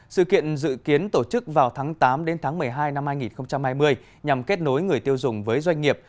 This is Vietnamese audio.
sự kiện dự kiến tổ chức vào tháng tám đến tháng một mươi hai năm hai nghìn hai mươi nhằm kết nối người tiêu dùng với doanh nghiệp